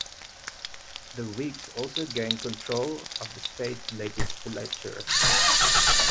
The Whigs also gained control of the state legislature.